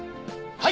はい！